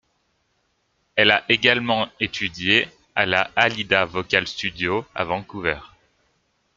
Elle a également étudié à la Alida Vocal Studio à Vancouver.